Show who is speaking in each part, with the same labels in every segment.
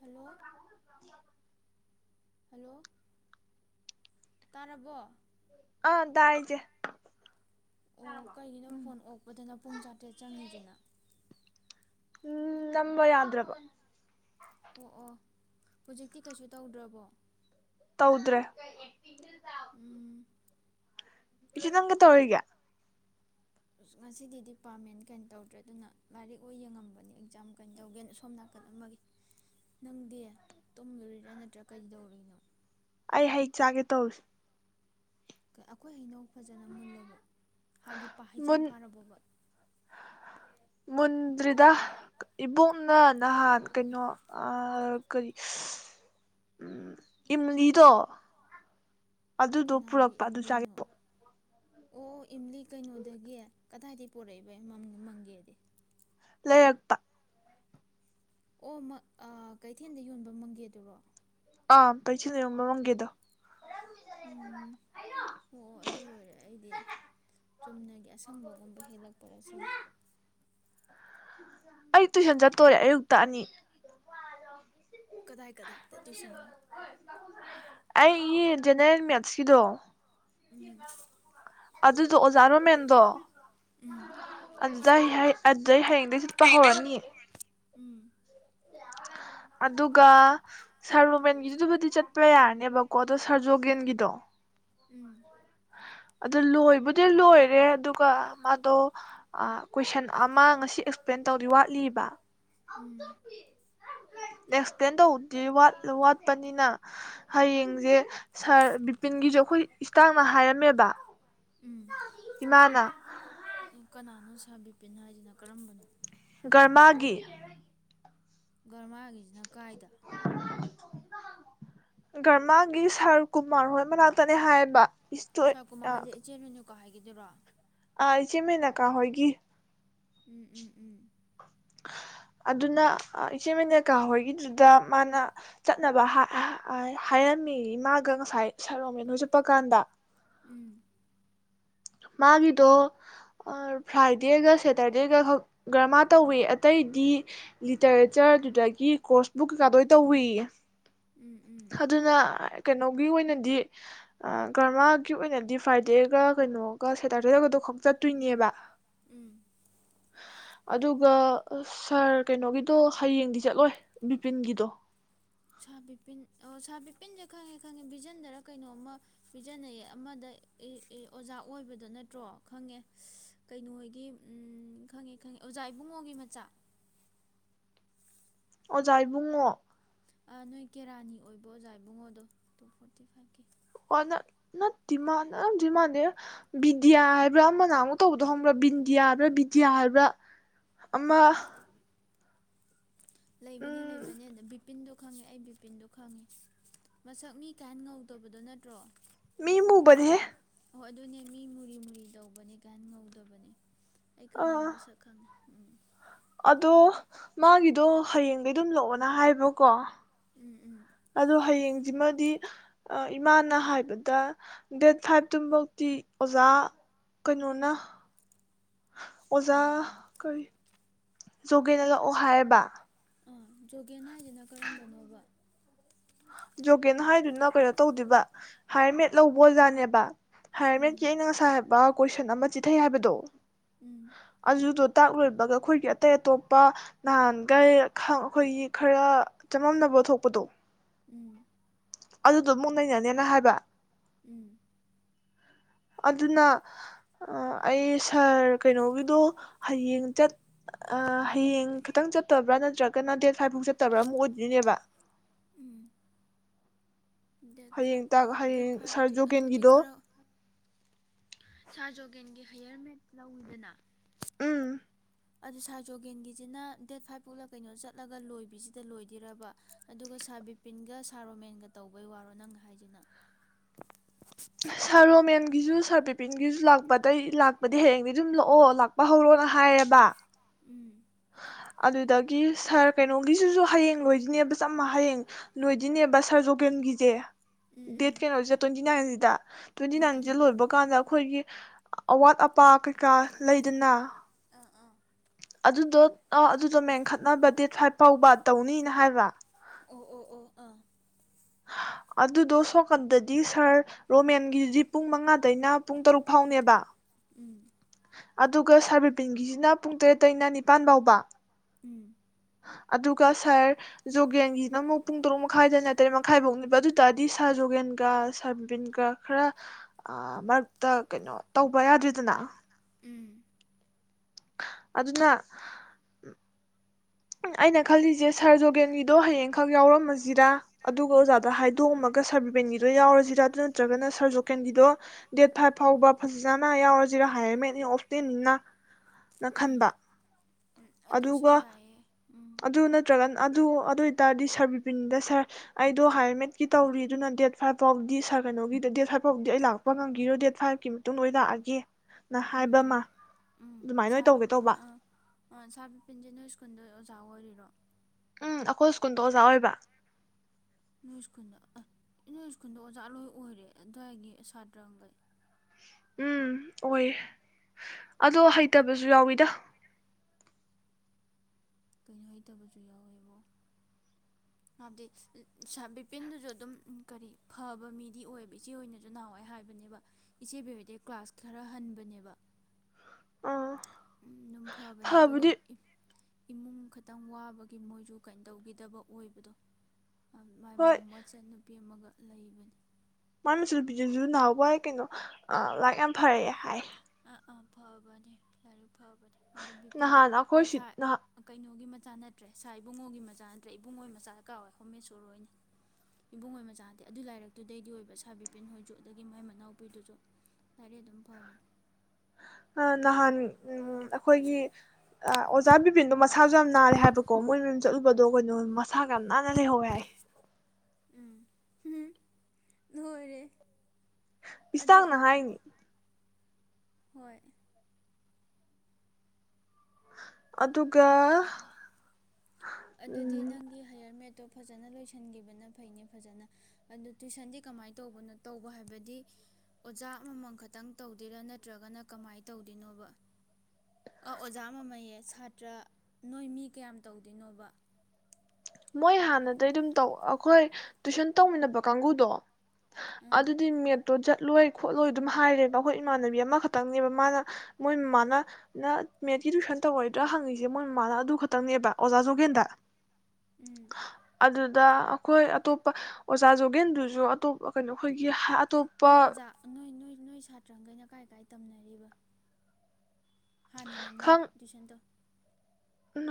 Speaker 1: hello hello ꯇꯥꯔꯕꯣ
Speaker 2: ꯑ ꯇꯗꯥꯏꯖꯦ
Speaker 1: ꯑꯣ ꯀꯩꯒꯤꯅꯣ ꯐꯣꯟ ꯑꯣꯛꯄꯗꯅ ꯄꯨꯡ ꯆꯥꯇ꯭ꯔꯦꯠ ꯆꯪꯉꯤꯖꯤꯅ
Speaker 2: ꯎꯝ ꯅꯝꯕ ꯌꯥꯗ꯭ꯔꯕ
Speaker 1: ꯑꯣ ꯑꯣ ꯍꯧꯖꯤꯛꯇꯤ ꯀꯩꯁꯨ ꯇꯧꯗ꯭ꯔꯕꯣ
Speaker 2: ꯇꯧꯗ꯭ꯔꯦ
Speaker 1: ꯎꯝ
Speaker 2: ꯏ ꯅ ꯇꯧꯍꯤꯒ
Speaker 1: ꯑꯁ ꯉꯁꯤꯗꯤ ꯗꯤꯄꯥꯔꯠꯃꯦꯟ ꯀꯩꯅꯣ ꯇꯧꯗ꯭ꯔꯦ ꯑꯗꯨꯅ ꯂꯥꯏꯔꯤꯛ ꯑꯣꯏꯅ ꯌꯦꯡꯉꯝꯕꯅꯤ ꯑꯦꯛꯖꯥꯝ ꯀꯩꯅꯣ ꯇꯧꯒꯦꯅ ꯁꯣꯝ ꯅꯥꯀꯠꯑꯃꯒꯤ ꯅꯪꯗꯤ ꯇꯨꯝꯂꯨꯔꯤꯔꯥ ꯅꯠꯇ꯭ꯔꯥ ꯀꯔꯤ ꯗꯧꯔꯨꯔꯤꯅꯣ
Speaker 2: ꯑꯩ ꯍꯩ ꯆꯥꯒꯦ ꯇꯧꯁꯤ
Speaker 1: ꯑꯩꯈꯣꯏ ꯍꯩꯅꯧ ꯐꯖꯅ ꯃꯨꯜꯂꯕꯣ ꯍꯥꯏꯕꯗꯤ ꯄꯍꯩꯖꯤꯡ
Speaker 2: ꯃꯨꯟ
Speaker 1: ꯐꯥꯔꯕꯣꯕ
Speaker 2: ꯃꯨꯟꯗ꯭ꯔꯤꯗ ꯏꯕꯣꯛꯅ ꯅꯍꯥꯟ ꯀꯩꯅꯣ ꯑꯥ ꯀꯔꯤ ꯎꯝ ꯏꯝꯂꯤꯗꯣ ꯑꯗꯨꯗꯣ
Speaker 1: ꯀꯅꯥꯒꯤ
Speaker 2: ꯄꯨꯔꯛꯄ ꯑꯗꯨ ꯆꯥꯒꯦ
Speaker 1: ꯏꯝꯂꯤꯅꯣ ꯑꯣ ꯏꯝꯂꯤ ꯀꯩꯅꯣꯗꯒꯤ ꯀꯗꯥꯏꯗꯒꯤ ꯄꯣꯔꯛꯏꯕ ꯃꯪꯒꯦꯗꯤ
Speaker 2: ꯛꯇ
Speaker 1: ꯑꯣ ꯃꯛꯑꯥ ꯀꯩꯊꯦꯜꯗ ꯌꯣꯟꯕ ꯃꯪꯒꯦꯗꯨꯔꯣ
Speaker 2: ꯑꯥ ꯄꯩꯁꯤꯅ ꯌꯣꯟꯕ ꯃꯪꯒꯤꯗꯣ
Speaker 1: ꯎꯝ ꯑꯣ ꯑꯣ ꯑꯗꯨ ꯑꯣꯏꯔꯦ ꯑꯩꯗꯤ ꯆꯨꯝꯅꯒꯦ ꯑꯁꯪꯕꯒꯨꯝꯕ ꯍꯦꯜꯂꯛꯄꯔꯥ ꯑꯁꯤꯅꯤ
Speaker 2: ꯑꯩ ꯇꯨꯏꯁꯟ ꯆꯠꯇꯣꯔꯦ ꯑꯌꯨꯛꯇ ꯑꯅꯤ
Speaker 1: ꯀꯗꯥꯏ ꯀꯗꯥꯏꯗ ꯇ꯭ꯌꯨꯁꯟ ꯅ
Speaker 2: ꯑꯩ ꯏ ꯖꯦꯅꯦꯔꯦꯜ ꯃꯦꯠꯁꯀꯤꯗꯣ
Speaker 1: ꯎꯝ
Speaker 2: [inaudible] ꯑꯗꯨꯗꯣ ꯑꯣꯖꯥ ꯔꯣꯃꯦꯟꯗꯣ
Speaker 1: ꯎꯝ
Speaker 2: ꯑꯗꯨꯗꯩ [unintelligible] ꯑꯗꯩ ꯍꯌꯦꯡ ꯆꯠꯄ ꯍꯧꯔꯅꯤ
Speaker 1: ꯎꯝ
Speaker 2: ꯑꯗꯨꯒ ꯁꯥꯔ ꯔꯣꯃꯦꯟꯒꯤꯗꯨꯕꯨꯗꯤ ꯆꯠꯄ ꯌꯥꯔꯅꯦꯕꯀꯣ ꯑꯗꯣ ꯁꯥꯔ ꯖꯣꯒꯦꯟꯒꯤꯗꯣ
Speaker 1: ꯎꯝ
Speaker 2: ꯑꯗꯨ ꯂꯣꯏꯕꯨꯗꯤ ꯂꯣꯏꯔꯦ ꯑꯗꯨꯒ ꯃꯥꯗꯣ ꯑꯥ ꯀꯣꯏꯁꯟ ꯑꯃ ꯉꯁꯤ ꯑꯦꯛꯁꯄ꯭ꯂꯦꯟ ꯇꯧꯗꯨꯏ ꯋꯥꯠꯂꯤꯕ
Speaker 1: ꯎꯝ
Speaker 2: ꯑꯦꯛꯁꯄ꯭ꯂꯦꯟ ꯇꯧꯗꯨꯏ ꯋꯥꯠꯂ ꯋꯥꯠꯄꯅꯤꯅ ꯍꯌꯦꯡꯖꯦ ꯁꯥꯔ ꯕꯤꯄꯤꯟꯒꯤꯁꯨ ꯑꯩꯈꯣꯏ ꯏꯁꯇꯥꯐꯅ ꯍꯥꯏꯔꯝꯃꯦꯕ ꯕ
Speaker 1: ꯎꯝ
Speaker 2: ꯃꯥꯅ
Speaker 1: ꯎꯝ ꯀꯅꯥꯅꯣ ꯁꯥ ꯕꯤꯄꯤꯟ ꯍꯥꯏꯁꯤꯅ ꯀꯔꯝꯕꯅꯣ
Speaker 2: ꯒꯔ꯭ꯃꯥꯔꯒꯤ
Speaker 1: ꯒꯔ꯭ꯃꯥꯔꯒꯤꯖꯤꯅ ꯀꯥꯏꯗ
Speaker 2: ꯒꯔ꯭ꯃꯥꯔꯒꯤ ꯁꯥꯔ ꯀꯨꯃꯥꯔ ꯍꯣꯏ ꯃꯅꯥꯛꯇꯅꯦ ꯍꯥꯏꯌꯦꯕ [unintelligible]
Speaker 1: ꯀꯥ ꯍꯣꯏꯒꯤꯗꯣꯔꯣ
Speaker 2: ꯑ ꯏꯆꯦ ꯃꯦꯅꯦꯀꯥ ꯍꯣꯏꯒꯤ
Speaker 1: ꯎꯝ ꯎꯝ ꯎꯝ
Speaker 2: ꯑꯗꯨꯅ ꯏꯆꯦ ꯃꯅꯦꯀꯥ ꯍꯣꯏꯒꯤꯗꯨꯗ ꯃꯥꯅ ꯆꯠꯅꯕ ꯍꯥꯏ ꯍꯥ ꯑꯥꯏ ꯍꯥꯏꯔꯝꯃꯦꯌꯦ ꯃꯥꯒ ꯉꯁꯥꯏ ꯁꯥꯔ ꯔꯣꯃꯦꯟ ꯍꯣꯏ ꯆꯠꯄ ꯀꯥꯟꯗ
Speaker 1: ꯎꯝ
Speaker 2: ꯃꯥꯒꯤꯗꯣ ꯐ꯭ꯔꯥꯏꯗꯦꯒ ꯁꯦꯇꯔꯗꯦꯒ ꯈꯛ ꯒꯔ꯭ꯃꯥꯔ ꯇꯧꯋꯦꯌꯦ ꯑꯇꯩꯗꯤ ꯂꯤꯇꯔꯦꯆꯔ ꯑꯗꯨꯗꯒꯤ ꯀꯣꯔꯁ ꯕꯨꯛ ꯀꯩꯀꯥ ꯂꯣꯏ ꯇꯧꯋꯦꯌꯦ
Speaker 1: ꯎꯝ ꯎꯝ
Speaker 2: ꯑꯗꯨꯅ ꯀꯩꯅꯣꯒꯤ ꯑꯣꯏꯅꯗꯤ ꯒꯔ꯭ꯃꯥꯔꯒꯤ ꯑꯣꯏꯅꯗꯤ ꯐ꯭ꯔꯥꯏꯗꯦꯒ ꯀꯩꯅꯣꯒ ꯁꯦꯇꯔꯗꯦꯒꯗꯣ ꯈꯛ ꯆꯠꯇꯣꯏꯅꯦꯕ
Speaker 1: ꯎꯝ
Speaker 2: ꯑꯗꯨꯒ ꯁꯥꯔ ꯀꯩꯅꯣꯒꯤꯗꯣ ꯍꯌꯦꯡꯗꯤ ꯆꯠꯂꯣꯏ ꯕꯤꯄꯤꯟꯒꯤꯗꯣ
Speaker 1: ꯁꯥꯔ ꯕꯤꯄꯤꯟ ꯑꯣ ꯁꯥꯔ ꯕꯤꯄꯤꯟꯁꯦ ꯈꯪꯉꯦ ꯈꯪꯉꯦ ꯕꯤꯖꯟꯗꯔ ꯀꯩꯅꯣ ꯑꯃ ꯕꯤꯖꯟ ꯍꯥꯏꯌꯦ ꯑꯃꯗ ꯑꯦ ꯑꯦ ꯑꯣꯖꯥ ꯑꯣꯏꯕꯗꯣ ꯅꯠꯇ꯭ꯔꯣ ꯈꯪꯉꯦ ꯀꯩꯅꯣ ꯍꯣꯏꯒꯤ ꯎꯝ ꯈꯪꯉꯦ ꯈꯪꯉꯦ ꯑꯣꯖꯥ ꯏꯕꯨꯡꯉꯣꯒꯤ ꯃꯆꯥ
Speaker 2: ꯑꯣꯖꯥ ꯏꯕꯨꯡꯉꯣ
Speaker 1: ꯅꯣꯏ ꯀꯦꯔꯥꯅꯤ ꯑꯣꯏꯕ ꯑꯣꯖꯥ ꯏꯕꯨꯡꯉꯣꯗꯣ
Speaker 2: ꯑꯣ ꯅꯠ ꯅꯠꯇꯦ ꯃꯥ ꯅꯠꯂꯝꯗꯨꯏ ꯃꯥꯟꯗꯦ ꯕꯤꯗ꯭ꯌꯥ ꯍꯥꯏꯕ꯭ꯔꯥ ꯑꯃ ꯅꯍꯥꯟꯃꯨꯛ ꯇꯧꯕꯗꯣ ꯍꯪꯕ꯭ꯔꯥ ꯕꯤꯟꯗꯤꯌꯥ ꯍꯥꯏꯕ꯭ꯔꯥ ꯕꯤꯗ꯭ꯌꯥ ꯍꯥꯏꯕ꯭ꯔꯥ ꯑꯃ
Speaker 1: ꯂꯩꯕꯅꯦ
Speaker 2: ꯎꯝ
Speaker 1: ꯂꯩꯕꯅꯦ [unintelligible] ꯄꯤꯟꯗꯣ ꯈꯪꯉꯦ ꯑꯩ ꯕꯤꯄꯤꯟꯗꯣ ꯈꯪꯉꯦ ꯃꯁꯛ ꯃꯤ ꯀꯥ ꯍꯦꯟꯅ ꯉꯧꯗꯕꯗꯣ ꯅꯠꯇ꯭ꯔꯣ
Speaker 2: ꯃꯤ ꯃꯨꯕꯅꯦꯍꯦ
Speaker 1: ꯑꯣ ꯑꯗꯨꯅꯦ ꯃꯤ ꯃꯨꯔꯤ ꯃꯨꯔꯤ ꯇꯧꯕꯅꯦ ꯀꯥ ꯍꯦꯟꯅ ꯉꯧꯗꯕꯅꯦ ꯑꯩ ꯈꯪꯉꯦ
Speaker 2: ꯑꯥ
Speaker 1: ꯃꯁꯛ ꯈꯪꯉꯦ ꯎꯝ
Speaker 2: ꯑꯗꯣ ꯃꯥꯒꯤꯗꯣ ꯍꯌꯦꯡꯗꯩꯩ ꯑꯗꯨꯝ ꯂꯥꯛꯑꯣꯅ ꯍꯥꯏꯌꯦꯕꯀꯣ
Speaker 1: ꯎꯝ ꯎꯝ
Speaker 2: ꯑꯗꯣ ꯍꯌꯦꯡꯖꯤꯃꯗꯤ ꯑꯥ ꯏꯃꯥꯅ ꯍꯥꯏꯕꯗ ꯗꯦꯠ ꯐꯥꯏꯐꯇꯨꯚꯥꯎꯇꯤ ꯑꯣꯖꯥ ꯀꯩꯅꯣꯅ ꯑꯣꯖꯥ ꯀꯔꯤ ꯖꯣꯒꯦꯟꯅ ꯂꯥꯛꯑꯣ ꯍꯥꯏꯌꯦꯕ
Speaker 1: ꯑꯥ ꯖꯣꯒꯦꯟ ꯍꯥꯏꯁꯤꯅ ꯀꯔꯝꯕꯅꯣꯕ
Speaker 2: ꯖꯣꯒꯦꯟ ꯍꯥꯏꯗꯨꯅ ꯀꯩꯅꯣ ꯇꯧꯗꯣꯏꯕ ꯍꯥꯏꯌꯔ ꯃꯦꯠ ꯂꯧꯕ ꯑꯣꯖꯥꯅꯦꯕ
Speaker 1: ꯎꯝ
Speaker 2: ꯍꯥꯏꯌꯔꯃꯦꯠꯀꯤ ꯑꯩꯅ ꯉꯁꯥꯏ ꯍꯥꯏꯕ ꯀꯣꯏꯁꯟ ꯑꯃ ꯆꯤꯊꯩ ꯍꯥꯏꯕꯗꯣ
Speaker 1: ꯎꯝ
Speaker 2: ꯑꯗꯨꯗꯣ ꯇꯥꯛ ꯂꯣꯏꯕꯒ ꯑꯩꯈꯣꯏꯒꯤ ꯑꯇꯩ ꯑꯇꯣꯞꯄ ꯅꯍꯥꯟꯒꯩ ꯈꯥ ꯑꯩꯈꯣꯏꯒꯤ ꯈꯔ ꯆꯃꯝꯅꯕ ꯊꯣꯛꯄꯗꯣ
Speaker 1: ꯎꯝ
Speaker 2: ꯑꯗꯨꯗꯣ ꯑꯃꯨꯛ ꯅꯩꯅꯅꯤꯅ ꯍꯥꯏꯕ
Speaker 1: ꯎꯝ
Speaker 2: ꯑꯗꯨꯅ ꯑ ꯑꯩ ꯁꯥꯔ ꯀꯩꯅꯣꯒꯤꯗꯣ ꯍꯌꯦꯡ ꯆꯠ ꯑꯥ ꯍꯌꯦꯡ ꯈꯤꯇꯪ ꯆꯠꯇꯕ꯭ꯔꯥ ꯅꯠꯇꯔꯒꯅ ꯗꯦꯠ ꯐꯥꯏꯚ ꯐꯥꯎ ꯆꯠꯇꯕ꯭ꯔꯥ ꯑꯃ ꯑꯣꯏꯗꯣꯏꯅꯦꯕ
Speaker 1: ꯎꯝ ꯗꯦꯠ
Speaker 2: ꯍꯌꯦꯡ
Speaker 1: ꯐꯥꯏꯚ
Speaker 2: ꯇꯥꯛ
Speaker 1: ꯐꯥꯎ ꯗꯦꯠ
Speaker 2: ꯍꯌꯦꯡ ꯁꯥꯔ
Speaker 1: ꯐꯥꯏꯚꯇꯤ ꯑꯗꯨꯗꯤ
Speaker 2: ꯖꯣꯒꯦꯟꯒꯤꯗꯣ
Speaker 1: ꯈꯔ ꯁꯥꯔ ꯖꯣꯒꯦꯟꯒꯤ ꯍꯥꯏꯌꯔ ꯃꯦꯠꯁ ꯂꯧꯏꯗꯅ
Speaker 2: ꯎꯝ
Speaker 1: ꯑꯗꯨ ꯁꯥꯔꯖꯣꯒꯦꯟꯒꯤꯖꯤꯅ ꯗꯦꯠ ꯐꯥꯏꯚ ꯄꯨꯛꯂ ꯀꯩꯅꯣ ꯆꯠꯂꯒ ꯂꯣꯏꯕꯤꯖꯤꯗ ꯂꯣꯏꯗꯣꯏꯔꯕ ꯑꯗꯨꯒ ꯁꯥꯔ ꯕꯤꯄꯤꯟꯒ ꯁꯥꯔ ꯖꯣꯒꯦꯟꯒ ꯇꯧꯕꯩ ꯋꯥꯔꯣ ꯅꯪ ꯍꯥꯏꯖꯤꯅ
Speaker 2: ꯁꯥꯔ ꯔꯣꯃꯦꯟꯒꯤꯖꯨ ꯁꯥꯔ ꯕꯤꯄꯤꯟꯒꯤꯁꯨ ꯂꯥꯛꯄꯗꯩ ꯂꯥꯛꯄꯗꯤ ꯍꯌꯦꯡꯗꯩ ꯑꯗꯨꯝ ꯂꯥꯛꯑꯣ ꯂꯥꯛꯄ ꯍꯧꯔꯣꯅ ꯍꯥꯏꯌꯦꯕ
Speaker 1: ꯎꯝ
Speaker 2: ꯑꯗꯨꯗꯒꯤ ꯁꯥꯔ ꯀꯩꯅꯣꯒꯤꯁꯤꯁꯨ ꯍꯌꯦꯡ ꯂꯣꯏꯗꯣꯏꯅꯦꯕ ꯆꯞ ꯃ ꯍꯌꯦꯡ ꯂꯣꯏꯗꯣꯏꯅꯦꯕ ꯁꯥꯔ ꯖꯣꯒꯦꯟꯒꯤꯖꯦ
Speaker 1: ꯎꯝ
Speaker 2: ꯗꯦꯠ
Speaker 1: ꯎꯝ
Speaker 2: ꯀꯩꯅꯣꯖꯤꯗ ꯇ꯭ꯋꯦꯟꯇꯤ ꯅꯥꯏꯟꯁꯤꯗ ꯇ꯭ꯋꯦꯟꯇꯤ
Speaker 1: ꯎꯝ ꯎꯝ
Speaker 2: ꯅꯥꯏꯟꯁꯤꯗ ꯂꯣꯏꯕ ꯀꯥꯟꯗ ꯑꯩꯈꯣꯏꯒꯤ ꯑꯋꯥꯠ ꯑꯄꯥ ꯀꯩꯀꯥ ꯂꯩꯗꯅ
Speaker 1: ꯑꯥ ꯑꯥ
Speaker 2: ꯑꯗꯨꯗꯣ ꯑ ꯑꯗꯨꯗꯣ ꯃꯦꯟꯈꯠꯅꯕ ꯗꯦꯠ ꯐꯥꯏꯚ ꯐꯥꯎꯕ ꯇꯧꯅꯤꯅ ꯍꯥꯏꯕ
Speaker 1: ꯑꯣ ꯑꯣ ꯑꯣ ꯑꯥ
Speaker 2: ꯑꯗꯨꯗꯣ ꯁꯣꯝꯀꯥꯟꯗꯗꯤ ꯁꯥꯔ ꯔꯣꯃꯦꯟꯒꯤꯖꯤ ꯄꯨꯡ ꯃꯉꯥꯗꯩꯅ ꯄꯨꯡ ꯇꯔꯨꯛ ꯐꯥꯎꯅꯦꯕ
Speaker 1: ꯎꯝ
Speaker 2: ꯑꯗꯨꯒ ꯁꯥꯔꯕꯤꯕꯤꯟꯒꯤꯁꯤꯅ ꯄꯨꯡ ꯇꯔꯦꯠꯇꯩꯅ ꯅꯤꯄꯥꯜ ꯐꯥꯎꯕ
Speaker 1: ꯎꯝ
Speaker 2: ꯑꯗꯨꯒ ꯁꯥꯔ ꯖꯣꯒꯦꯟꯒꯤꯁꯤꯅ ꯑꯃꯨꯛ ꯄꯨꯡ ꯇꯔꯨꯛ ꯃꯈꯥꯏꯗꯩꯅ ꯇꯔꯦꯠ ꯃꯈꯥꯏꯐꯧꯅꯦꯕ ꯑꯗꯨ ꯇꯔꯗꯤ ꯁꯥꯔ ꯖꯣꯒꯦꯟꯒ ꯁꯥꯔ ꯕꯤꯕꯤꯟꯒ ꯈꯔ ꯃꯔꯛꯇ ꯀꯩꯅꯣ ꯇꯧꯕ ꯌꯥꯗ꯭ꯔꯦꯗꯅ
Speaker 1: ꯎꯝ
Speaker 2: ꯑꯗꯨꯅ ꯑꯩꯅ ꯈꯜꯂꯤꯁꯦ ꯁꯔꯖꯣꯒꯦꯟꯒꯤꯗꯣ ꯍꯌꯦꯡꯈꯛ ꯌꯥꯎꯔꯝꯃꯁꯤꯔ ꯑꯗꯨꯒ ꯑꯣꯖꯥꯗ ꯍꯥꯏꯗꯣꯛꯑꯝꯃꯒ ꯁꯥꯔ ꯕꯤꯕꯦꯟꯒꯤꯗꯣ ꯌꯥꯎꯔꯁꯤꯔꯥ ꯑꯗꯨ ꯅꯠꯇ꯭ꯔꯒꯅ ꯁꯔꯖꯣꯒꯦꯟꯒꯤꯗꯣ ꯗꯦꯠ ꯐꯥꯏꯚ ꯐꯥꯎꯕ ꯐꯖꯖꯅ ꯌꯥꯎꯔꯁꯤꯔꯥ ꯍꯥꯏꯌꯔ ꯃꯦꯠꯅꯤ ꯑꯣꯐ ꯇꯦꯟꯅꯤꯅꯅ
Speaker 1: ꯎꯝ
Speaker 2: ꯈꯟꯕ
Speaker 1: ꯑꯗꯨꯁꯨ
Speaker 2: ꯑꯗꯨꯒ
Speaker 1: ꯌꯥꯏꯑꯦ
Speaker 2: ꯑꯗꯨ ꯅꯠꯇ꯭ꯔꯒꯅ ꯑꯗꯨ ꯑꯗꯨ ꯑꯣꯏꯇꯥꯔꯗꯤ ꯁꯥꯔ ꯕꯤꯄꯤꯟꯗ ꯁꯥꯔ ꯑꯩꯗꯣ ꯍꯥꯏꯌꯔꯃꯦꯠꯀꯤ ꯇꯧꯔꯤ ꯑꯗꯨꯅ ꯗꯦꯠ ꯐꯥꯏꯚ ꯐꯥꯎꯗꯤ ꯁꯥꯔ ꯀꯩꯅꯣꯒꯤ ꯗꯦꯠ ꯐꯥꯏꯚ ꯐꯥꯎꯗꯤ ꯑꯩ ꯂꯥꯛꯄ ꯉꯝꯈꯤꯔꯣꯏ ꯗꯦꯠ ꯐꯥꯏꯚꯀꯤ ꯃꯇꯨꯡꯗ ꯂꯥꯛꯑꯒꯦ ꯅ
Speaker 1: ꯎꯝ
Speaker 2: ꯍꯥꯏꯕ
Speaker 1: ꯎꯝ
Speaker 2: ꯑꯃ
Speaker 1: ꯎꯝ
Speaker 2: ꯑꯗꯨꯃꯥꯏꯅ ꯑꯣꯏ
Speaker 1: ꯁꯥꯔ
Speaker 2: ꯇꯧꯒꯦ
Speaker 1: ꯕꯤ
Speaker 2: ꯇꯧꯕ
Speaker 1: ꯑ ꯑ ꯁꯥꯔ ꯕꯤꯄꯤꯟꯖꯤ ꯅꯣꯏ ꯁ꯭ꯀꯨꯜꯗ ꯑꯣ ꯑꯣꯏꯔꯤꯔꯣ
Speaker 2: ꯎꯝ ꯑꯩꯈꯣꯏ ꯁ꯭ꯀꯨꯜꯗ ꯑꯣꯖꯥ ꯑꯣꯏꯕ
Speaker 1: ꯅꯣꯏ ꯁ꯭ꯀꯨꯜꯗ ꯑꯥ ꯅꯣꯏ ꯁ꯭ꯀꯨꯜꯗ ꯑꯣꯖꯥ ꯂꯣꯏ ꯑꯣꯏꯔꯦ ꯑꯗꯨꯋꯥꯏꯒꯤ ꯁꯥꯇ꯭ꯔꯈꯩ
Speaker 2: ꯎꯝ ꯑꯣꯏꯌꯦ ꯑꯗꯣ ꯍꯩꯇꯕꯖꯨ ꯌꯥꯎꯋꯤꯗ
Speaker 1: ꯀꯩꯅꯣ ꯍꯩꯇꯕꯁꯨ ꯌꯥꯎꯋꯦꯕꯣ ꯍꯥꯏꯕꯗꯤ ꯕꯤꯄꯤꯟꯗꯨꯁꯨ ꯑꯗꯨꯝ ꯀꯔꯤ ꯐꯕ ꯃꯤꯗꯤ ꯑꯣꯏꯌꯦꯕ ꯏꯆꯦ ꯍꯣꯏꯅꯁꯨ ꯅꯍꯥꯟꯋꯥꯏ ꯍꯥꯏꯕꯅꯦꯕ ꯏꯆꯦꯕꯤ ꯍꯣꯏꯗꯩ ꯀ꯭ꯂꯥꯁ ꯈꯔ ꯍꯟꯕꯅꯦꯕ
Speaker 2: ꯑꯥ
Speaker 1: ꯎ ꯑꯗꯨꯝ ꯐꯕꯅꯦ ꯑꯗꯨꯒ
Speaker 2: ꯐꯕꯨꯗꯤ
Speaker 1: ꯏꯃꯨꯡ ꯈꯛꯇꯪ ꯋꯥꯕꯒꯤ ꯃꯣꯏꯁꯨ ꯀꯩꯗꯧꯒꯤꯗꯕ ꯑꯣꯏꯕꯗꯣ ꯃꯥꯏ ꯃꯥ
Speaker 2: ꯍꯣꯏ
Speaker 1: ꯃꯥꯆꯟꯅꯨꯄꯤ ꯑꯃꯒ ꯂꯩꯕꯅꯤ
Speaker 2: ꯃꯥꯏ ꯃꯆꯟꯅꯨꯄꯤꯗꯨꯖꯨ ꯅꯍꯥꯟꯋꯥꯏ ꯀꯩꯅꯣ ꯑ ꯂꯥꯏꯛ ꯌꯥꯝ ꯐꯩ ꯍꯥꯏ
Speaker 1: ꯐꯥꯕꯅꯦ ꯂꯥꯏꯔꯤꯛꯄꯨ ꯐꯕꯅꯦ ꯑꯗꯨ ꯕꯤꯄꯤꯟ
Speaker 2: ꯅꯍꯥꯟ
Speaker 1: ꯑꯣ
Speaker 2: ꯑꯩꯈꯣꯏ ꯁꯤ ꯅꯍꯥꯟ
Speaker 1: ꯁꯥꯥꯔ ꯀꯩꯅꯣꯒꯤ ꯃꯆꯥꯥꯅꯠꯇ꯭ꯔꯦ ꯁꯥ ꯏꯕꯨꯡꯉꯣꯒꯤ ꯃꯆꯥ ꯅꯠꯇ꯭ꯔꯦ ꯏꯕꯨꯡꯉꯣꯏ ꯃꯆꯥꯗ ꯀꯥꯎꯋꯦ ꯍꯣꯃꯦꯁꯣꯔ ꯍꯣꯏꯅꯦ ꯏꯕꯨꯡꯉꯣꯏ ꯃꯆꯥ ꯅꯠꯇꯦ ꯑꯗꯨ ꯂꯥꯏꯔꯛꯇꯨꯗꯩꯗꯤ ꯑꯣꯏꯕ ꯁꯥ ꯕꯤꯄꯤꯟ ꯍꯣꯏꯁꯨ ꯑꯗꯒꯤ ꯃꯥꯏ ꯃꯅꯥꯎꯄꯤꯗꯨꯁꯨ ꯂꯥꯏꯔꯤꯛ ꯑꯗꯨꯝ ꯐꯕꯅꯦ
Speaker 2: ꯅꯍꯥꯟ ꯎꯝ ꯑꯩꯈꯣꯏꯒꯤ ꯑꯣꯖꯥ ꯕꯤꯕꯤꯟꯗꯣ ꯃꯁꯥꯁꯨ ꯌꯥꯝ ꯅꯥꯜꯂꯦ ꯍꯥꯏꯕꯀꯣ ꯃꯣꯏ ꯃꯌꯨꯝ ꯆꯠꯂꯨꯕꯗꯣ ꯀꯩꯅꯣ ꯃꯁꯥꯒ ꯌꯥꯝ ꯅꯥꯟꯅ ꯂꯩꯍꯧꯋꯦ ꯍꯥꯏ
Speaker 1: ꯎꯝ ꯍꯨꯝ ꯂꯣꯏꯔꯦ
Speaker 2: ꯏꯆꯥ
Speaker 1: ꯑꯗꯣ
Speaker 2: ꯍꯥꯢꯅꯦ
Speaker 1: ꯍꯣꯏ
Speaker 2: ꯑꯗꯨꯒ
Speaker 1: ꯑꯗꯨꯗꯤ ꯅꯪꯒꯤ ꯍꯥꯢꯌꯔ ꯃꯦꯇ ꯇꯣ ꯐꯖꯅ ꯂꯣꯏꯁꯤꯟꯈꯤꯕꯅ ꯐꯩꯅꯦ ꯐꯖꯅ ꯑꯗꯨ ꯇꯨꯏꯁꯟꯗꯤ ꯀꯃꯥꯏꯅ ꯇꯧꯕꯅꯣ ꯇꯧꯕ ꯍꯥꯏꯕꯗꯤ ꯑꯣꯖꯥ ꯑꯃꯃꯝ ꯈꯛꯇꯪ ꯇꯧꯗꯣꯏꯔꯥ ꯅꯠꯇ꯭ꯔꯒꯅ ꯀꯃꯥꯏꯅ ꯇꯧꯗꯣꯏꯅꯣꯕ ꯑꯥ ꯑꯣꯖꯥ ꯑꯃꯃꯝꯌꯦ ꯁꯥꯇ꯭ꯔ ꯅꯣꯏ ꯃꯤ ꯀꯌꯥꯝ ꯇꯧꯗꯣꯏꯅꯣꯕ
Speaker 2: ꯃꯣꯏ ꯍꯥꯟꯅꯗꯩ ꯑꯗꯨꯝ ꯇꯧ ꯑꯩꯈꯣꯏ ꯇꯨꯏꯁꯟ ꯇꯧꯃꯤꯟꯅꯕ ꯀꯥꯡꯒꯨꯗꯣ
Speaker 1: ꯑꯪ
Speaker 2: ꯑꯗꯨꯗꯤ ꯃꯦꯠ ꯇꯣ ꯆꯠꯂꯣꯏ ꯈꯣꯠꯂꯣꯏ ꯑꯗꯨꯝ ꯍꯥꯏꯔꯦꯕ ꯑꯩꯈꯣꯏ ꯏꯃꯥꯟꯅꯕꯤ ꯑꯃꯈꯛꯇꯪꯅꯦꯕ ꯃꯥꯅ ꯃꯣꯏ ꯃꯃꯥꯅ ꯅ ꯃꯦꯠꯀꯤ ꯇꯨꯏꯁꯟ ꯇꯧꯔꯣꯏꯗ꯭ꯔꯥ ꯍꯪꯉꯤꯁꯦ ꯃꯣꯏ ꯃꯃꯥꯅ ꯑꯗꯨ ꯈꯛꯇꯪꯅꯦꯕ ꯑꯣꯖꯥ ꯖꯣꯒꯦꯟꯗ
Speaker 1: ꯎꯝ
Speaker 2: ꯑꯗꯨꯗ ꯑꯩꯈꯣꯏ ꯑꯇꯣꯞꯄ ꯑꯣꯖꯥ ꯖꯣꯒꯦꯟꯗꯨꯁꯨ ꯑꯇꯣꯞꯄ ꯀꯩꯅꯣ ꯑꯩꯈꯣꯏꯒꯤ ꯍꯥ
Speaker 1: ꯅꯣꯏ ꯑꯣꯖꯥ ꯅꯣꯏ ꯅꯣꯏ ꯅꯣꯏ ꯁꯥꯇ꯭ꯔꯒꯩꯅ ꯀꯥꯏ ꯀꯥꯏ ꯇꯝꯅꯔꯤꯕ ꯍꯥꯟꯅꯅ ꯃꯣꯏ ꯇꯨꯏꯁꯟꯗꯣ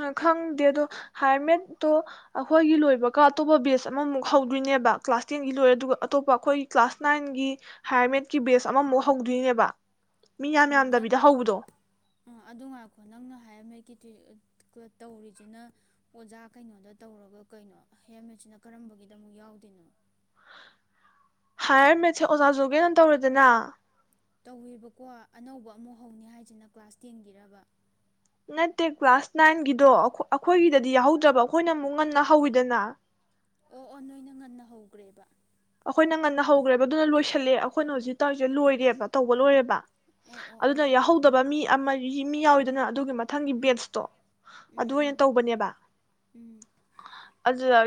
Speaker 2: ꯎ ꯈꯪꯗꯦ ꯑꯗꯣ ꯍꯥꯏꯔ ꯃꯦꯠꯇꯣ ꯑꯩꯈꯣꯏꯒꯤ ꯂꯣꯏꯕꯒ ꯑꯇꯣꯞꯄ ꯕꯦꯖ ꯑꯃꯃꯨꯛ ꯍꯧꯗꯣꯏꯅꯦꯕ ꯀ꯭ꯂꯥꯁ ꯇꯦꯟꯒꯤ ꯂꯣꯏꯔꯦ ꯑꯗꯨꯒ ꯑꯇꯣꯞꯄ ꯑꯩꯈꯣꯏꯒꯤ ꯀ꯭ꯂꯥꯁ ꯅꯥꯏꯟꯒꯤ ꯍꯥꯌꯔ ꯃꯦꯠꯀꯤ ꯕꯦꯁ ꯑꯃꯃꯨꯛ ꯍꯧꯗꯣꯏꯅꯦꯕ ꯃꯤ ꯌꯥꯝ
Speaker 1: ꯎꯝ ꯅꯪ
Speaker 2: ꯌꯥꯝꯗꯕꯤꯗ ꯍꯧꯕꯗꯣ
Speaker 1: ꯑ ꯑꯗꯨ ꯉꯥꯏꯈꯣ ꯅꯪꯅ ꯍꯥꯏꯌꯔ ꯃꯦꯇꯀꯤ ꯇꯧꯔꯤꯁꯤꯅ ꯑꯣꯖꯥ ꯀꯩꯅꯣꯗ ꯇꯧꯔꯒ ꯀꯩꯅꯣ ꯍꯥꯢꯌꯔꯃꯦꯠ ꯁꯤꯅ ꯀꯔꯝꯕꯒꯤꯗ ꯑꯃꯨꯛ ꯌꯥꯎꯗꯣꯏꯅꯣ
Speaker 2: ꯍꯥꯏꯔ ꯃꯦꯠꯁꯦ ꯑꯣꯖꯥꯖꯒꯦꯅ ꯅ ꯇꯧꯔꯦꯗꯅ
Speaker 1: ꯇꯧꯋꯦꯕꯀꯣ ꯑꯅꯧꯕ ꯑꯃꯨꯛ ꯍꯧꯅꯤ ꯍꯥꯏꯁꯤꯅ ꯀ꯭ꯂꯥꯁ ꯇꯦꯟꯒꯤꯔꯕ
Speaker 2: ꯅꯠꯇꯦ ꯀ꯭ꯂꯥꯁ ꯅꯥꯏꯟꯒꯤꯗꯣ ꯑꯩꯈꯣꯏꯒꯤꯗꯗꯤ ꯌꯥꯎꯍꯧꯗ꯭ꯔꯕ ꯑꯩꯈꯣꯏꯅ ꯑꯃꯨꯛ ꯉꯟꯅ ꯍꯧꯋꯤꯗꯅ
Speaker 1: ꯑꯣ ꯑꯣ ꯅꯣꯏꯅ ꯉꯟꯅ ꯍꯧꯒ꯭ꯔꯦꯕ
Speaker 2: ꯑꯩꯈꯣꯏꯅ ꯉꯟꯅ ꯍꯧꯒ꯭ꯔꯦꯕ ꯑꯗꯨꯅ ꯂꯣꯏꯁꯤꯜꯂꯦ ꯑꯩꯈꯣꯏꯅ ꯍꯧꯖꯤꯛ ꯇꯧꯔꯤꯁꯦ ꯂꯣꯏꯔꯦꯕ ꯇꯧꯕ ꯂꯣꯏꯔꯦꯕ
Speaker 1: ꯑꯣ ꯑꯣ
Speaker 2: ꯑꯗꯨꯅ
Speaker 1: ꯑꯣ ꯑꯣ
Speaker 2: ꯌꯥꯎꯍꯧꯗꯕ ꯃꯤ ꯑꯃꯔꯤ ꯃꯤ ꯌꯥꯎꯋꯤꯗꯅ ꯑꯗꯨꯒꯤ ꯃ ꯊꯪꯒꯤ
Speaker 1: ꯎꯝ
Speaker 2: ꯕꯦꯠꯁꯇꯣ
Speaker 1: ꯎꯝ
Speaker 2: ꯑꯗꯨ ꯑꯣꯏꯅ
Speaker 1: ꯎꯝ
Speaker 2: ꯇꯧꯕꯅꯦꯕ
Speaker 1: ꯎꯝ
Speaker 2: ꯑꯗꯨꯗ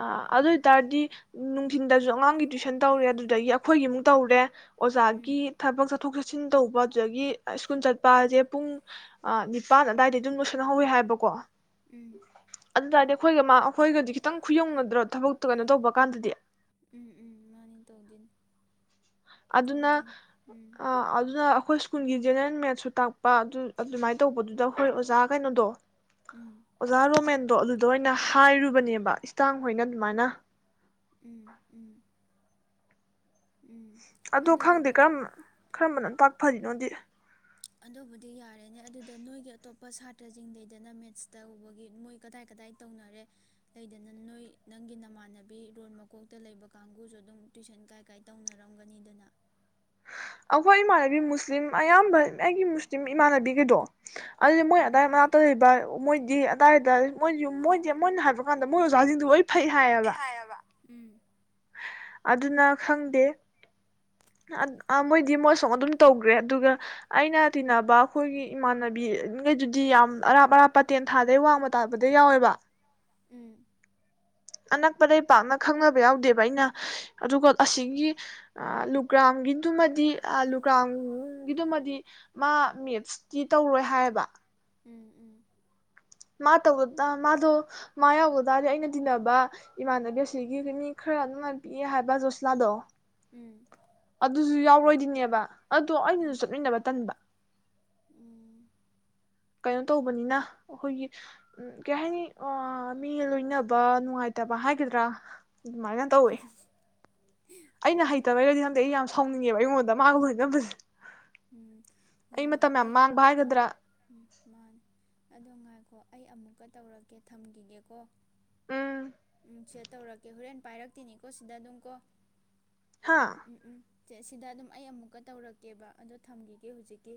Speaker 2: ꯑꯥ ꯑꯗꯨ ꯑꯣꯏꯇꯥꯔꯗꯤ ꯅꯨꯡ ꯊꯤꯟꯗꯁꯨ ꯑꯉꯥꯡꯒꯤ ꯇꯨꯋꯏꯁꯟ ꯇꯧꯔꯦ ꯑꯗꯨꯗꯒꯤ ꯑꯩꯈꯣꯏꯒꯤꯃꯨꯛ ꯇꯧꯔꯦ
Speaker 1: ꯎꯝ
Speaker 2: ꯑꯣꯖꯥꯒꯤ ꯊꯕꯛ ꯆꯠꯊꯣꯛ ꯆꯠ ꯁꯤꯟ ꯇꯧꯕ ꯑꯗꯨꯗꯒꯤ ꯁ꯭ꯀꯨꯜ ꯆꯠꯄ ꯍꯥꯏꯁꯦ ꯄꯨꯡ ꯅꯤꯄꯥꯟ ꯑꯗꯥꯏꯗ ꯑꯗꯨꯝ ꯂꯣꯏꯁꯤꯟꯍꯧꯋꯦ ꯍꯥꯏꯕꯀꯣ
Speaker 1: ꯎꯝ
Speaker 2: ꯑꯗꯨ ꯇꯔꯗꯤ ꯑꯩꯈꯣꯏꯒ ꯃꯥ ꯑꯩꯈꯣꯏꯒꯗꯤ ꯈꯤꯇꯪ ꯈꯨꯌꯧꯅꯗ꯭ꯔ ꯊꯕꯛꯇꯣ ꯀꯩꯅꯣ ꯇꯧꯕ ꯀꯥꯟꯗꯗꯤ
Speaker 1: ꯎꯝ ꯎꯝ ꯃꯥꯅꯤ ꯇꯧꯗꯣꯏꯅꯤ
Speaker 2: ꯑꯗꯨꯅ
Speaker 1: ꯇꯧꯗꯣꯏꯅꯤ ꯎꯝ
Speaker 2: ꯑ ꯑꯗꯨꯅ ꯑꯩꯈꯣꯏ ꯁꯀ ꯁ꯭ꯀꯨꯟꯒꯤ ꯖꯦꯅꯦꯔꯦꯜ ꯃꯦꯠꯁꯨ ꯇꯥꯛꯄ ꯑꯗꯨ ꯑꯗꯨꯃꯥꯏꯅ ꯇꯧꯕꯗꯨꯗ ꯈꯣꯏ ꯑꯣꯖꯥ ꯀꯩꯅꯣꯗꯣ
Speaker 1: ꯎꯝ
Speaker 2: ꯑꯣꯖꯥ ꯔꯣꯃꯦꯟ ꯗꯣ ꯑꯗꯨꯗ ꯑꯣꯏꯅ ꯍꯥꯏꯔꯨꯕꯅꯦꯕ ꯏꯁꯇꯥꯡ ꯍꯣꯏꯅ ꯑꯗꯨꯃꯥꯏꯅ
Speaker 1: ꯎꯝ ꯎꯝ ꯎꯝ
Speaker 2: ꯑꯗꯨ ꯈꯪꯗꯦ
Speaker 1: ꯑꯗꯨꯗꯨꯒ
Speaker 2: ꯀꯔꯝꯕ ꯀꯔꯝꯕꯅꯪ ꯇꯥꯛ ꯐꯔꯤꯅꯣꯗꯤ ꯇꯥ
Speaker 1: ꯑꯗꯨꯕꯨꯗꯤ ꯌꯥꯔꯦꯅꯦ ꯑꯗꯨꯗ ꯅꯣꯏꯒꯤ ꯑꯇꯣꯞꯄ ꯁꯥꯇ꯭ꯔꯁꯤꯡꯗꯗꯅ ꯃꯦꯠꯁ ꯇꯧꯕꯒꯤ ꯃꯣꯏ ꯀꯗꯥꯏ ꯀꯗꯥꯏ ꯇꯧꯅꯔꯦ ꯂꯩꯗꯅ ꯅꯣꯏ ꯅꯪꯒꯤ ꯅꯃꯥꯟꯅꯕꯤ ꯔꯣꯜ ꯃꯀꯣꯛꯇ ꯂꯩꯕ ꯀꯥꯡꯕꯨꯁꯨ ꯑꯗꯨꯝ ꯇꯨꯏꯁꯟ ꯀꯥꯏ ꯀꯥꯏ ꯇꯧꯅꯔꯝꯒꯅꯤꯗꯅ
Speaker 2: ꯑꯩꯈꯣꯏ ꯏꯃꯥꯟꯅꯕꯤ ꯃꯨꯁꯂꯤꯝ ꯑꯌꯥꯝꯕ ꯑꯩꯒꯤ ꯃꯨꯁꯂꯤꯝ ꯏꯃꯥꯟꯅꯕꯤꯒꯩꯗꯣ ꯑꯗꯨꯗꯤ ꯃꯣꯏ ꯑꯗꯥꯏ ꯃꯅꯥꯛꯇ ꯂꯩꯕ ꯃꯣꯏꯗꯤ ꯑꯗꯥꯏꯗ ꯃꯣꯏ ꯃꯣꯏꯗꯤ ꯃꯣꯏꯅ ꯍꯥꯏꯕ ꯀꯥꯟꯗ ꯃꯣꯏ ꯑꯣꯖꯥꯁꯤꯡꯗꯨ ꯍꯣꯏ ꯐꯩ ꯍꯥꯏꯑꯕ
Speaker 1: ꯎꯝ
Speaker 2: ꯑꯗꯨꯅ ꯈꯪꯗꯦ ꯃꯣꯏꯗꯤ ꯃꯣꯏ ꯑꯁꯨꯝ ꯑꯗꯨꯝ ꯇꯧꯈ꯭ꯔꯦ ꯑꯗꯨꯒ ꯑꯩꯅ ꯇꯤꯟꯅꯕ ꯑꯩꯈꯣꯏꯒꯤ ꯏꯃꯥꯟꯅꯕꯤꯈꯩꯗꯨꯗꯤ ꯌꯥꯝ ꯑꯔꯥꯞ ꯑꯔꯥꯞꯄ ꯇꯦꯟꯊꯥꯗꯩ ꯋꯥꯡꯃ ꯇꯥꯕꯗꯩꯩ ꯌꯥꯎꯋꯦꯕ
Speaker 1: ꯎꯝ
Speaker 2: ꯑꯅꯛꯄꯗꯩꯩ ꯄꯥꯛꯅ ꯈꯪꯅꯕ ꯌꯥꯎꯗꯦꯕ ꯑꯩꯅ ꯑꯗꯨꯒ ꯑꯁꯤꯒꯤ ꯂꯨꯒ꯭ꯔꯥꯝꯒꯤꯕꯗꯨꯃꯗꯤ ꯂꯨꯒ꯭ꯔꯥꯝꯒꯤꯗꯨꯃꯗꯤ ꯃꯥ ꯃꯦꯠꯁꯇꯤ ꯇꯧꯔꯣꯏ ꯍꯥꯏꯌꯦꯕ
Speaker 1: ꯎꯝ ꯎꯝ
Speaker 2: ꯃꯥ ꯇꯧ ꯃꯥꯗꯣ ꯃꯥ ꯌꯥꯎꯗ ꯇꯥꯔꯗꯤ ꯑꯩꯅ ꯇꯤꯟꯅꯕ ꯏꯃꯥꯟꯅꯕꯤ ꯑꯁꯤꯒꯤ ꯃꯤ ꯈꯔ ꯑꯃ ꯄꯤꯛꯑꯦ ꯍꯥꯏꯕ ꯖꯣꯁꯤꯂꯥꯗꯣ
Speaker 1: ꯎꯝ
Speaker 2: ꯑꯗꯨꯁꯨ ꯌꯥꯎꯔꯣꯏꯗꯤꯅꯦꯕ ꯑꯗꯣ
Speaker 1: ꯎꯝ
Speaker 2: ꯑꯩꯅꯁꯨ
Speaker 1: ꯎꯝ
Speaker 2: ꯆꯠꯃꯤꯟꯅꯕ ꯇꯟꯕ
Speaker 1: ꯎꯝ
Speaker 2: ꯀꯩꯅꯣ ꯇꯧꯕꯅꯤꯅ ꯑꯩꯈꯣꯏꯒꯤ ꯀꯩ ꯍꯥꯏꯅꯤ ꯃꯤ ꯂꯣꯏꯅꯕ ꯅꯨꯡꯉꯥꯏꯇꯕ ꯍꯥꯏꯒꯗ꯭ꯔꯥ ꯑꯗꯨꯃꯥꯏꯅ ꯇꯧꯋꯦ ꯑꯩꯅ
Speaker 1: ꯍꯣꯏ ꯍꯣꯏ
Speaker 2: ꯍꯩꯇꯕꯩꯔꯗꯤ ꯈꯪꯗꯦ ꯑꯩ ꯌꯥꯝ ꯁꯥꯎꯅꯤꯡꯉꯦꯕ ꯑꯩꯉꯣꯟꯗ ꯃꯒꯥ ꯂꯣꯏꯅꯕꯁꯦ
Speaker 1: ꯎꯝ ꯍꯣꯏ ꯍꯣꯏ
Speaker 2: ꯃꯇꯝ ꯌꯥꯝ
Speaker 1: ꯑꯩ
Speaker 2: ꯃꯥꯡꯕ
Speaker 1: ꯎꯝ
Speaker 2: ꯍꯥꯏꯒꯗ꯭ꯔꯥ
Speaker 1: ꯎꯝ ꯃꯥꯅꯤ ꯑꯗꯣ ꯉꯥꯏ ꯗꯣ ꯑꯩ ꯑꯃꯨꯛꯀ ꯇꯧꯔꯛꯀꯦ ꯊꯝꯈꯤꯒꯦꯀꯣ
Speaker 2: ꯎꯝ
Speaker 1: ꯁꯦꯠ ꯇꯧꯔꯛꯀꯦ ꯍꯣꯔꯦꯟ ꯄꯥꯏꯔꯛꯇꯤꯅꯤꯀꯣ ꯁꯤꯗ ꯑꯗꯨꯝ ꯀꯣ
Speaker 2: ꯍꯥ
Speaker 1: ꯎꯝ ꯎꯝ ꯁꯦ ꯁꯤꯗ ꯑꯗꯨꯝ ꯑꯩ ꯑꯃꯨꯛꯀ ꯇꯧꯔꯛꯀꯦꯕ ꯑꯗꯣ ꯊꯝꯈꯤꯒꯦ ꯍꯧꯖꯤꯛꯀꯤ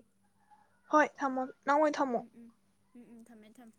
Speaker 2: ꯍꯣꯏ ꯊꯃꯣ ꯅꯪꯑꯣꯏ ꯊꯝꯃꯣ
Speaker 1: ꯎꯝ ꯎꯝ ꯎꯝ ꯎꯝ ꯊꯝꯃꯦ ꯊꯝꯃꯦ